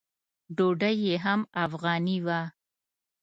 ډوډۍ یې هم افغاني وه.